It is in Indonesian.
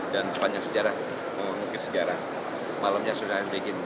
dan sepanjang sejarah mungkin sejarah malamnya sudah saya bikin